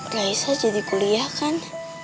gak bisa jadi kuliah kan